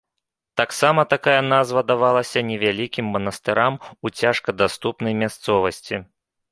Таксама такая назва давалася невялікім манастырам у цяжкадаступнай мясцовасці.